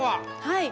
はい。